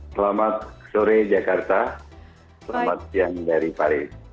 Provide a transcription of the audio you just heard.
selamat sore jakarta selamat siang dari paris